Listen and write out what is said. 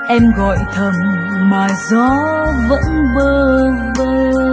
em gọi thầm mà gió vẫn bơ vơ